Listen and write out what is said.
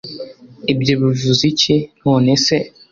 ibyo bivuze iki, nonese